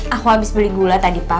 aku habis beli gula tadi pak